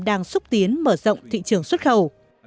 đang xúc tiến mở rộng thị trường xuất khẩu